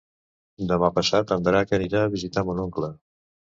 Demà passat en Drac anirà a visitar mon oncle.